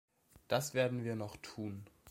Das werden wir noch tun.